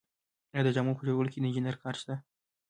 آیا د جامو په جوړولو کې د انجینر کار شته